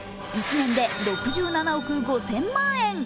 １年で６７億５０００万円！